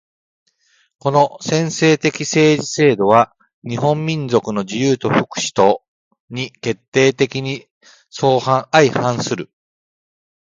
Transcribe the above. この専制的政治制度は日本民族の自由と福祉とに決定的に相反する。